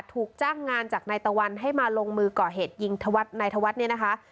ถูกจ้างงานจากนายตะวันให้มาลงมือก่อเหตุยิงนายธวัฒน์เนี่ยนะคะ